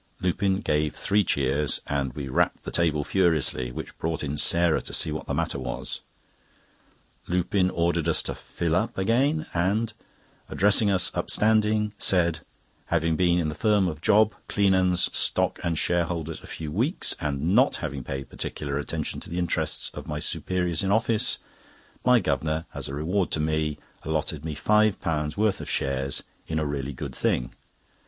Lupin gave three cheers, and we rapped the table furiously, which brought in Sarah to see what the matter was. Lupin ordered us to "fill up" again, and addressing us upstanding, said: "Having been in the firm of Job Cleanands, stock and share brokers, a few weeks, and not having paid particular attention to the interests of my superiors in office, my Guv'nor, as a reward to me, allotted me £5 worth of shares in a really good thing.